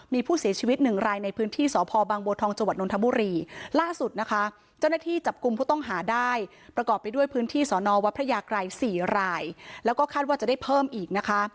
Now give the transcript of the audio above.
มีผู้เสียชีวิตหนึ่งรายในพื้นที่สพบางบัวทองจังหวัดนทบุรีล่าสุดนะคะเจ้าหน้าที่จับกลุ่มผู้ต้องหาได้ประกอบไปด้วยพื้นที่สอนอวัดพระยากรัย๔รายแล้วก็คาดว่าจะได้เพิ่มอีกนะคะ